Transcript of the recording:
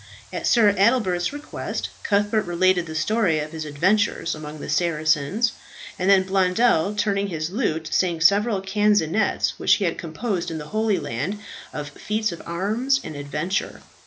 At Sir Adelbert's request, Cuthbert related the story of his adventures among the Saracens; and then Blondel, tuning his lute, sang several canzonets which he had composed in the Holy Land, of feats of arms and adventure.